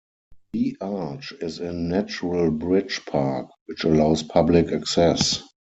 The arch is in Natural Bridge Park, which allows public access.